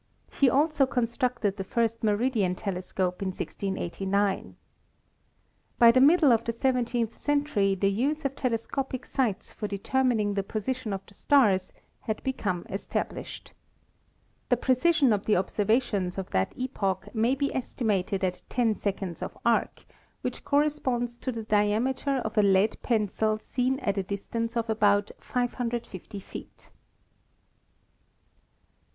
He also constructed the first meridian telescope in 1689. By. the middle of the seventeenth century the use of telescopic sights for determining the position of the stars had become established. The precision of the observations of that METHODS OF OBSERVATION 23 epoch may be estimated at 10 seconds of arc, which corre sponds to the diameter of a lead pencil seen at a distance of about 550 feet.